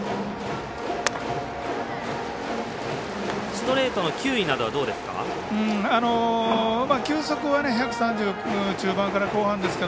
ストレートの球威などはどうですか？